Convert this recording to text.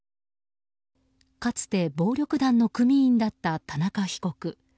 かつて暴力団の組員だった田中被告。